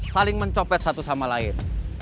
saling mencopet satu sama lain